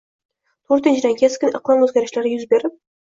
to‘rtinchidan, keskin iqlim o‘zgarishlari yuz berib